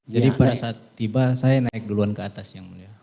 jadi pada saat tiba saya naik duluan ke atas ya mulia